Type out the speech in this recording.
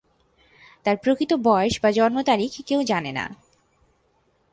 তার প্রকৃত বয়স বা জন্ম তারিখ কেউ জানে না।